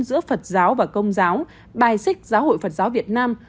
giữa phật giáo và công giáo bài xích giáo hội phật giáo việt nam